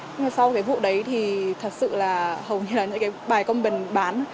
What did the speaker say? nhưng mà sau cái vụ đấy thì thật sự là hầu như là những cái bài công bình bán